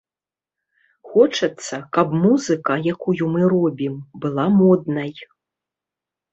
Хочацца, каб музыка, якую мы робім, была моднай.